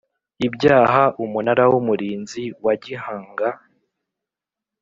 ibyaha Umunara w Umurinzi wagihnga